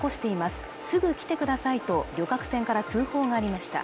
すぐ来てくださいと旅客船から通報がありました